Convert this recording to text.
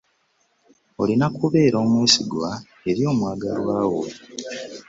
Olina okubeera omwesigwa eri omwagalwa wo.